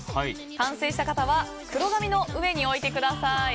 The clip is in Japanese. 完成した方は黒紙の上に置いてください。